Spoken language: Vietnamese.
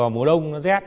mùa đông nó rét